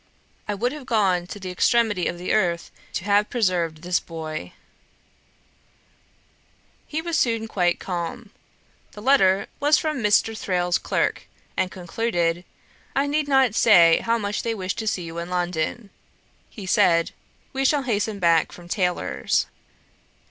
I would have gone to the extremity of the earth to have preserved this boy.' He was soon quite calm. The letter was from Mr. Thrale's clerk, and concluded, 'I need not say how much they wish to see you in London.' He said, 'We shall hasten back from Taylor's.'